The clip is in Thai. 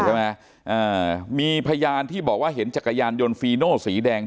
ใช่ไหมอ่ามีพยานที่บอกว่าเห็นจักรยานยนต์ฟีโน่สีแดง